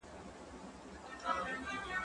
زه پرون د کتابتون د کار مرسته کوم!؟